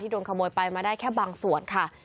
โดนขโมยไปมาได้แค่บางส่วนค่ะ